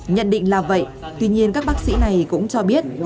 nhận định là vậy tuy nhiên các bác sĩ này cũng cho biết